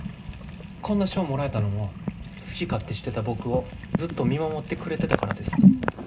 こんな賞もらえたのも好き勝手してた僕をずっと見守ってくれてたからです。